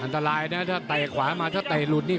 อันตรายนะถ้าเตะขวามาถ้าเตะหลุดนี่